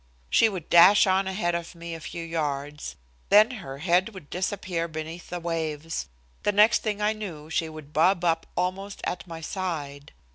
She would dash on ahead of me a few yards, then her head would disappear beneath the waves. The next thing I knew she would bob up almost at my side.